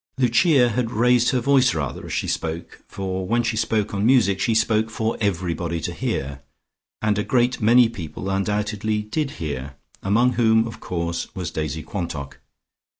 Lucia had raised her voice rather as she spoke, for when she spoke on music she spoke for everybody to hear. And a great many people undoubtedly did hear, among whom, of course, was Daisy Quantock.